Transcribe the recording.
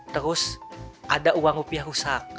terus ada uang rupiah rusak